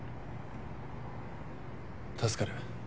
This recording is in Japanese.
助かる。